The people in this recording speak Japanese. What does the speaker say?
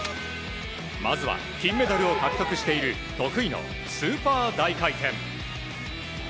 まずは金メダルを獲得している得意のスーパー大回転。